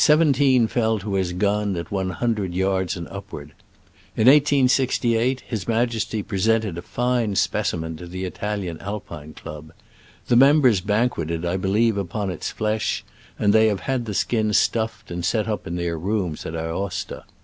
^]^:^^ fell to his gun at one hun dred yards and upward. In 1 868, His Majesty presented a fine specimen to the Ital ian Alpine Club. The mem bers banqueted, I believe, upon its flesh, and they have had the skin stuffed and set up in their rooms at Aosta.